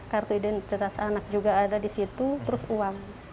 kartu identitas anak juga ada disitu terus uang